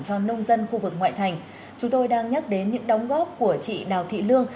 cho nông dân khu vực ngoại thành chúng tôi đang nhắc đến những đóng góp của chị đào thị lương